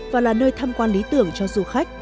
và là nơi tham quan lý tưởng cho du khách